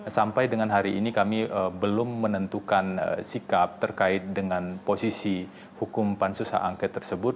sampai dengan hari ini kami belum menentukan sikap terkait dengan posisi hukum pansus hak angket tersebut